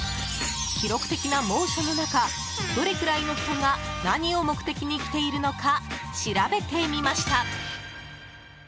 記録的な猛暑の中どれくらいの人が何を目的に来ているのか調べてみました。